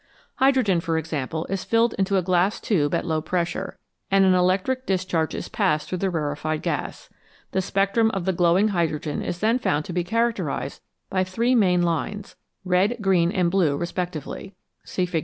Hydrogen, for example, is filled into a glass tube at low pressure, and an electric discharge is passed through the rarefied gas ; the spectrum of the glowing hydrogen is then found to be characterised by three main lines, red, green, and blue respectively (see Fig.